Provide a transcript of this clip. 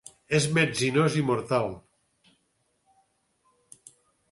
És metzinós i mortal.